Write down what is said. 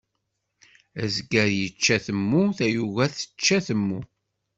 Azger ičča atemmu, tayuga tečča atemmu.